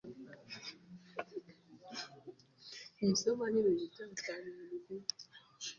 Reka mbaze ikibazo cyubupfu